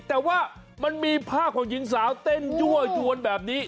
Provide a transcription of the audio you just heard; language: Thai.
แต่ว่ามันมีภาพของหญิงสาวเต้นยั่วยวนแบบนี้